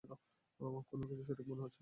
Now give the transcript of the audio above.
কোনোকিছু সঠিক মনে হচ্ছে না এখানে।